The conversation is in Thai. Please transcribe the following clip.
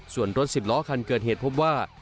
ส่วนรถสิบล้อคันเกิดเหตุพบว่า